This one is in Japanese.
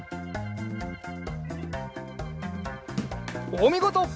おみごと！